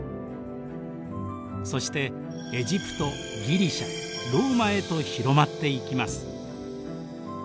そしてエジプトギリシャローマへと広まっていきます。